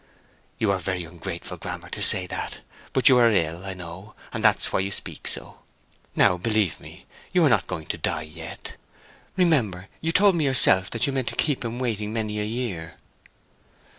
"You are very ungrateful, Grammer, to say that. But you are ill, I know, and that's why you speak so. Now believe me, you are not going to die yet. Remember you told me yourself that you meant to keep him waiting many a year."